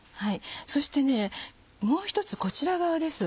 そしてもう１つこちら側です。